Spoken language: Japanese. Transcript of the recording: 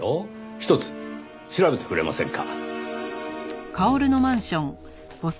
ひとつ調べてくれませんか？